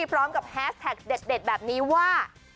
พร้อมกับแฮสแท็กเด็ดแบบนี้ว่า